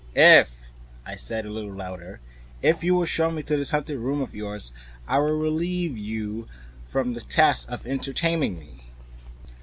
"If," I said, a little louder, "if you will show me to this haunted room of yours, I will relieve you from the task of entertaining me."